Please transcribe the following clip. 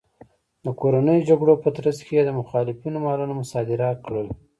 د کورنیو جګړو په ترڅ کې یې د مخالفینو مالونه مصادره کړل